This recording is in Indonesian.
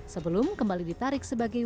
sebelum kembali ditarik sebagai